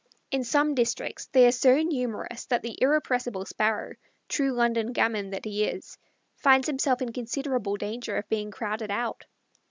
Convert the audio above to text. In some districts they are so numerous that the irrepressible Sparrow, true London gamin that he is, finds himself in considerable danger of being crowded out.